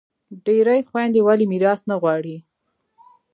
ډیری خویندي ولي میراث نه غواړي؟